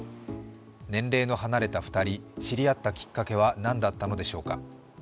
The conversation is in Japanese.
年齢の離れた２人、知り合ったきっかけは何だったのでしょうか。